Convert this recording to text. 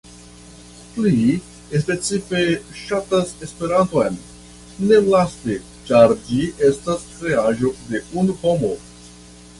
Li "specife ŝatas Esperanton", ne laste, ĉar ĝi estas kreaĵo de unu homo.